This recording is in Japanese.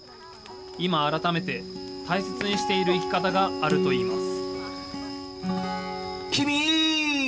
今、改めて大切にしている生き方があるといいます。